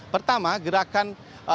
pertama gerakan dua ribu sembilan belas